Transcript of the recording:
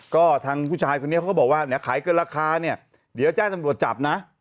ก็ทางผู้ชายคนนี้เขาก็บอกว่าเนี่ยขายเกินราคาเนี่ยเดี๋ยวแจ้งตำรวจจับนะ